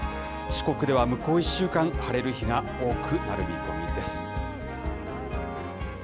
四国では向こう１週間、晴れる日が多くなる見込みです。